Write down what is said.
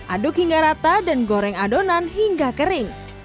aduk hingga rata dan goreng adonan hingga kering